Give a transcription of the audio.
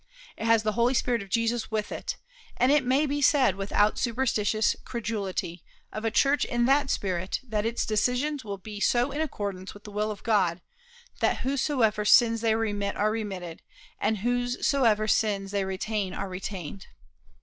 It has the Holy Spirit of Jesus with it; and it may be said, without superstitious credulity, of a church in that spirit that its decisions will be so in accordance with the will of God that "whosesoever sins they remit are remitted, and whosesoever sins they retain are retained."